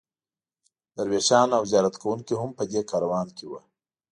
درویشان او زیارت کوونکي هم په دې کاروان کې وو.